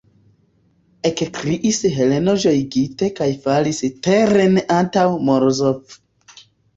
ekkriis Heleno ĝojigite kaj falis teren antaŭ Morozov.